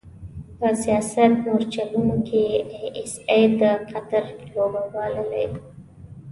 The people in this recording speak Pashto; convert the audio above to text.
په سیاست مورچلونو کې ای ایس ای د قطر لوبه بایللې.